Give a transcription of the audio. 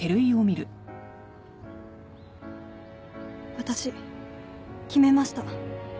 私決めました。